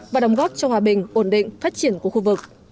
và đóng góp cho hòa bình ổn định phát triển của khu vực